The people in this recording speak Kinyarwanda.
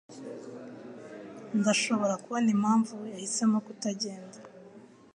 Ndashobora kubona impamvu yahisemo kutagenda